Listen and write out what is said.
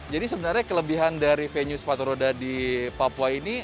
jadi sebenarnya kelebihan dari venue sepatu roda di papua ini